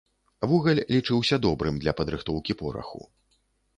Вугаль лічыўся добрым для падрыхтоўкі пораху.